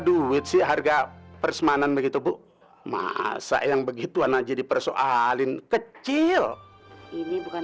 duit sih harga persemanan begitu bu masa yang begitu anak jadi persoalin kecil ini bukan